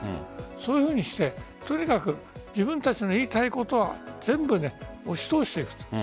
そういうふうにしてとにかく自分たちの言いたいことを全部押し通していく。